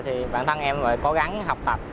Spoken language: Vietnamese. thì bản thân em phải cố gắng học tập